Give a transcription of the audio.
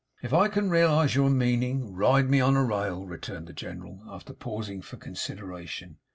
'If I can realise your meaning, ride me on a rail!' returned the General, after pausing for consideration.